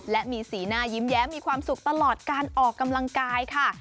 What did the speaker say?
และมีสีหน้ายิ้มแย้มมีความสุขตลอดการออกกำลังกายค่ะ